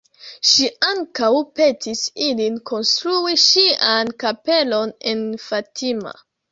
Ŝi ankaŭ petis ilin konstrui ŝian kapelon en Fatima.